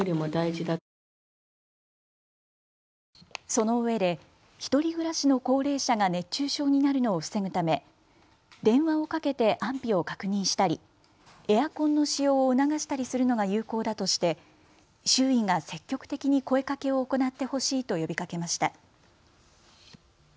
そのうえで１人暮らしの高齢者が熱中症になるのを防ぐため電話をかけて安否を確認したりエアコンの使用を促したりするのが有効だとして周囲が積極的に声かけを行ってほしいと呼びかけました。